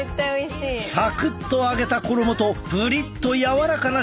サクッと揚げた衣とプリッとやわらかな食感が格別！